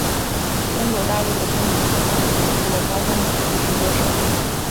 中国大陆的歌迷称她为美丽的高山族护士歌手。